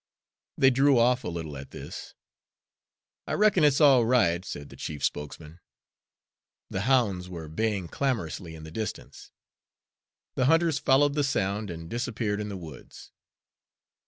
They drew off a little at this. "I reckon it's all right," said the chief spokesman. The hounds were baying clamorously in the distance. The hunters followed the sound and disappeared m the woods.